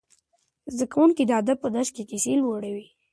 زده کوونکي د ادب په درس کې کیسې لوړي.